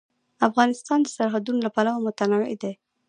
افغانستان د سرحدونه له پلوه متنوع دی.